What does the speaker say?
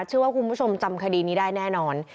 เชื่อว่าคุณผู้ชมจำคดีนี้ได้แน่นอน